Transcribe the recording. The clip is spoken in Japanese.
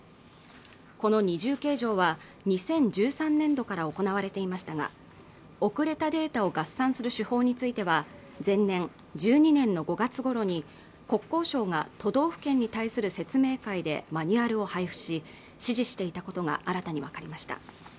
この２重計上は２０１３年度から行われていましたが遅れたデータを合算する手法については前年１２年の５月頃に国交省が都道府県に対する説明会でマニュアルを配布し指示していたことが新たに分かりました